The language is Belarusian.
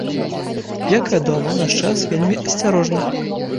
Як вядома, наш час вельмі асцярожны.